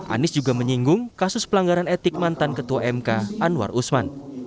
anies juga menyinggung kasus pelanggaran etik mantan ketua mk anwar usman